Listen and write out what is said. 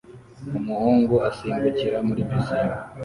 umuhungu asimbukira muri pisine